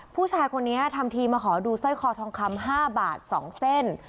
ผู้ชายคนนี้ทำทีมาขอดูสร้อยคอทองคำ๕บาท๒เส้น